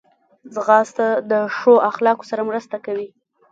ځغاسته د ښو اخلاقو سره مرسته کوي